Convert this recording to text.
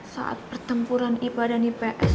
saat pertempuran ipar dan ips